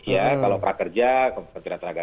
ya kalau prakerja kementerian tenaga kerja